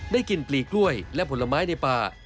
ได้กินปลีกล้วยและผลไม้ในป่า